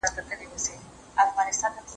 که باران نه وي، زه به په غره کې وګرځم.